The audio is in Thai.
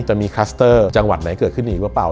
จะมีคลัสเตอร์จังหวัดไหนเกิดขึ้นอีกหรือเปล่า